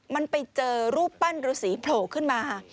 มันไปเจอรูปปั้นฤษีโผล่ขึ้นมา